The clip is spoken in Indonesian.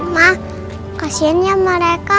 mak kasihan ya mereka